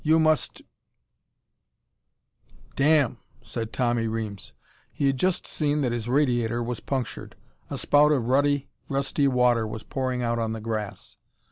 You must " "Damn!" said Tommy Reames. He had just seen that his radiator was punctured. A spout of ruddy, rusty water was pouring out on the grass.